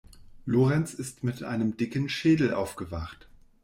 Lorenz ist mit einem dicken Schädel aufgewacht.